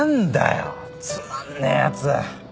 つまんねえやつ。